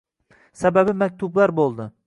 sababi maktublar bo’ldi.